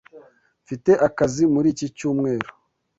Mfite akazi muri iki cyumweru.